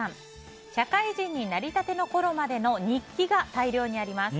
社会人になりたてのころまでの日記が大量にあります。